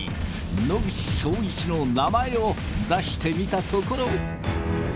野口聡一の名前を出してみたところ。